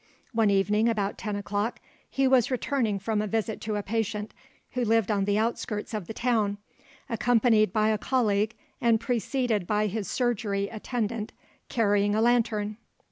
One evening about ten o'clock he was returning from a visit to a patient who lived on the outskirts of the town, accompanied by a colleague and preceded by his surgery attendant carrying a lantern.